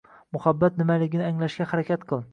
— Muhabbat nimaligini anglashga harakat qil.